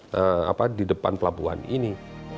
di depan pelabuhan ini